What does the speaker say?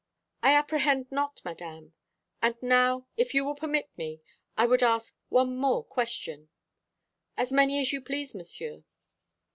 "I apprehend not, Madame. And now, if you will permit me, I would ask one more question." "As many as you please, Monsieur."